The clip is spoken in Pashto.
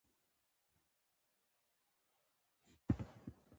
تاسو یې وینئ چې انګرېزان ملګري پرېږدي.